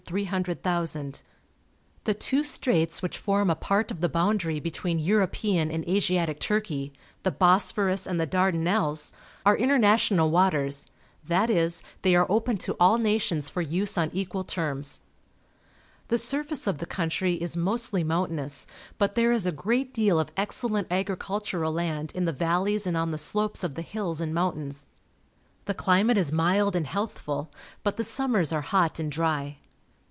The two straits which form a part of the boundary between European and Asiatic Turkey — the Bosphorus and the Dardanelles — are international waters, that is, they are open to all nations for use on equal terms. The surface of the country is mostly mountainous, but there is a great deal of excellent agricultural land in the valleys and on the slopes of the hills and mountains. The climate is mild and healthful, but the summers are hot and dry.